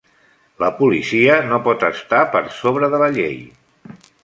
La policia no pot estar per sobre de la llei.